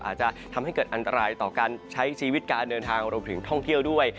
อาจจะทำให้เกิดอันตรายต่อการใช้ชีวิตการเดินทางรวมถึงท่องเที่ยวด้วย